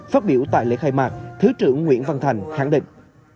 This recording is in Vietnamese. phát biểu tại lễ khai mạc thứ trưởng nguyễn văn thành khẳng định